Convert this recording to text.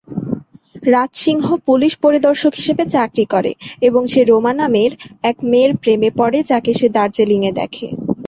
রাজ Singh police পরিদর্শক হিসেবে চাকরি করে এবং সে রোমা নামের এক মেয়ের প্রেমে পড়ে যাকে সে দার্জিলিং-এ দেখে।